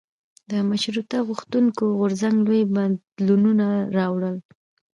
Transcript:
د مشروطه غوښتونکو غورځنګ لوی بدلونونه راوړل.